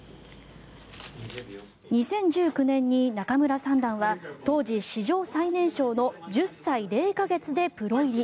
２０１９年に仲邑三段は当時、史上最年少の１０歳０か月でプロ入り。